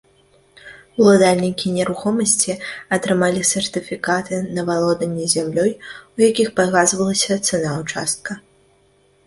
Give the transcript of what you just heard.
Уладальнікі нерухомасці атрымалі сертыфікаты на валоданне зямлёй, у якіх паказвалася цана ўчастка.